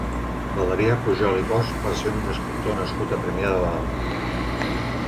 Valerià Pujol i Bosch va ser un escriptor nascut a Premià de Dalt.